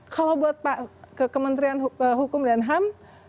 kalau buat pak ke kementerian hukum dan ham